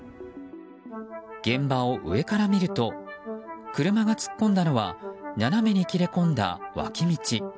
現場を上から見ると車が突っ込んだのは斜めに切れ込んだ脇道。